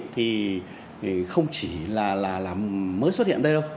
thì không chỉ là mới xuất hiện đây đâu